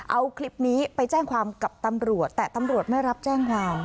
เอาคลิปนี้ไปแจ้งความกับตำรวจแต่ตำรวจไม่รับแจ้งความ